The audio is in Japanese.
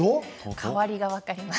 変わりが分かります。